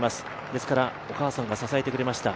ですから、お母さんが支えてくれました。